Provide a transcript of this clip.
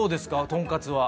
とんかつは。